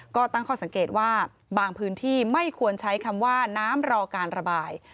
ก็ตั้งข้อสังเกตว่าบางพื้นที่ไม่ควรใช้คำว่าน้ำรอการระบาย